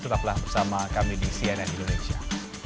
tetaplah bersama kami di cnn indonesia